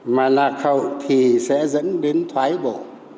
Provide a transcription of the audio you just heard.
mà lạc hậu thì sẽ dẫn đến thoái bộ